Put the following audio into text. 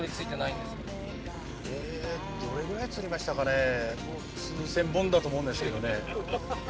えどれぐらい釣りましたかねもう数千本だと思うんですけどね。